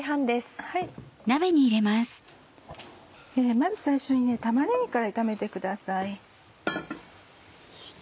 まず最初に玉ねぎから炒めてください。